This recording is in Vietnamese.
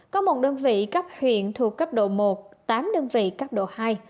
có một đơn vị cấp huyện thuộc cấp độ một tám đơn vị cấp độ hai